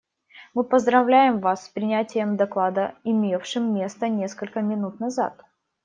Мы поздравляем Вас с принятием доклада, имевшим место несколько минут назад.